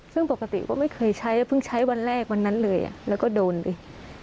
ซึ่งปกติก็ไม่เคยใช้แล้วเพิ่งใช้วันแรกวันนั้นเลยแล้วก็โดนไป